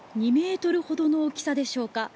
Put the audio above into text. ２ｍほどの大きさでしょうか。